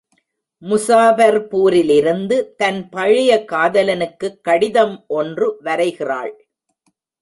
முஸாபர்பூரிலிருந்து தன் பழைய காதலனுக்குக் கடிதம் ஒன்று வரைகிறாள்.